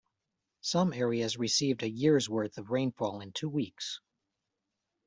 Some areas received a year's worth of rainfall in two weeks.